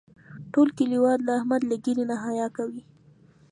ټول کلیوال د احمد له ږیرې نه حیا کوي.